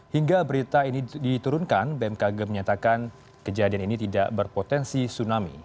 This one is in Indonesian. hingga berita ini diturunkan bmkg menyatakan kejadian ini tidak berpotensi tsunami